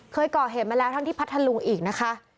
เคยก่อเหตุมาแล้วทั้งที่พัทธลุงอีกนะคะ